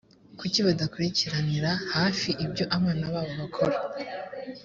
kuki badakurikiranira hafi ibyo abana babo bakora ‽